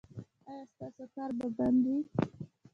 ایا ستاسو ښکار به بند وي؟